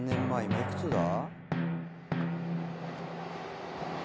今いくつだ？